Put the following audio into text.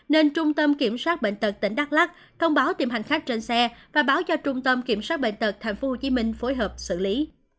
nên trung tâm kiểm soát bệnh tật tỉnh đắk lắc thông báo tìm hành khách trên xe và báo cho trung tâm kiểm soát bệnh tật tp hcm phối hợp xử lý